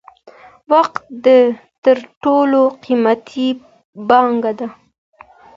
وخت تر ټولو قیمتی پانګه ده.